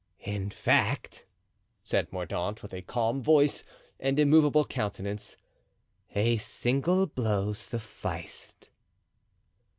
"In fact," said Mordaunt, with a calm voice and immovable countenance, "a single blow sufficed."